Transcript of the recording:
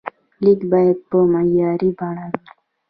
لیک باید په معیاري بڼه وي.